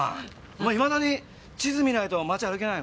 お前いまだに地図見ないと街歩けないの？